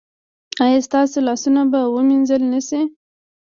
ایا ستاسو لاسونه به وینځل نه شي؟